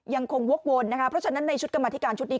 ยังคงวกวนนะคะเพราะฉะนั้นในชุดกรรมธิการชุดนี้